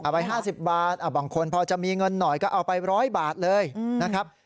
ไป๕๐บาทบางคนพอจะมีเงินหน่อยก็เอาไป๑๐๐บาทเลยนะครับ